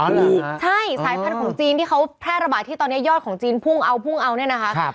ใช่สายพันธุ์ของจีนที่เขาแพร่ระบาดที่ตอนนี้ยอดของจีนพุ่งเอาพุ่งเอาเนี่ยนะคะ